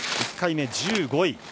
１回目、１５位。